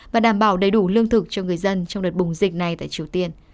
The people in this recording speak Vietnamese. và đảm bảo đầy đủ lương thực cho người dân trong đợt bùng dịch này tại triều tiên